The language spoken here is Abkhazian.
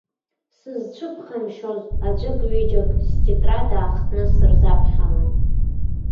Сызцәыԥхамшьоз аӡәыкҩыџьак стетрад аахтны сырзаԥхьалон.